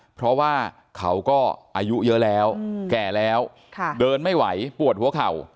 เพราะว่าเขาก็อายุเยอะแล้วแก่แล้วเดินไม่ไหวปวดหัวเข่า